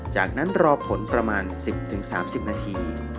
จากนั้นรอผลประมาณ๑๐๓๐นาที